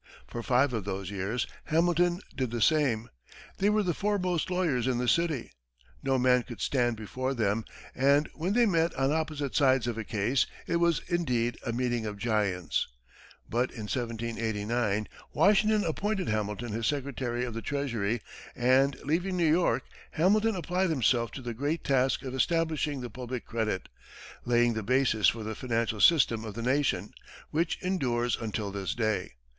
For five of those years, Hamilton did the same. They were the foremost lawyers in the city. No man could stand before them, and when they met on opposite sides of a case, it was, indeed, a meeting of giants. But in 1789, Washington appointed Hamilton his secretary of the treasury, and leaving New York, Hamilton applied himself to the great task of establishing the public credit, laying the basis for the financial system of the nation, which endures until this day.